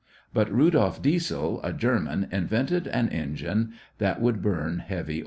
But Rudolph Diesel, a German, invented an engine which would burn heavy oils.